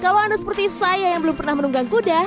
kalau anda seperti saya yang belum pernah menunggang kuda